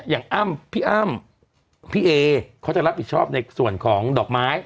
อ้ำพี่อ้ำพี่เอเขาจะรับผิดชอบในส่วนของดอกไม้